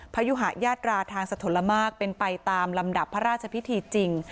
พยุหายาตราทางสะทนละมากเป็นไปตามลำดับพระราชพิธีจริง